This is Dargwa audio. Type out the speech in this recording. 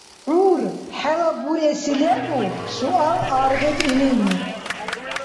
- ГӀyp хӀела буреси лебу? - суал аргъиб илини.